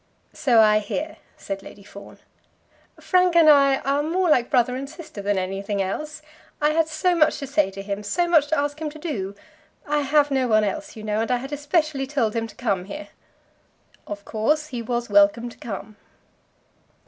"So I hear," said Lady Fawn. "Frank and I are more like brother and sister than anything else. I had so much to say to him; so much to ask him to do! I have no one else, you know, and I had especially told him to come here." "Of course he was welcome to come."